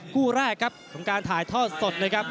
คู่แรกครับของการถ่ายทอดสดนะครับ